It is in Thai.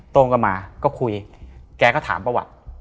โต้งก็มาก็คุยแกก็ถามป๊าหวัด